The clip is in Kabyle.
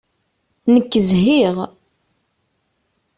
Nekk zhiɣ.